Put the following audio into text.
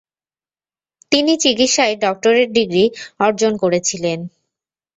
তিনি চিকিৎসায় doctorate degree অর্জন করেছিলেন।